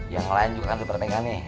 yang lain juga kan lu terpengal nih